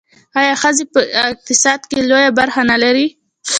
آیا ښځې په اقتصاد کې لویه برخه نلري؟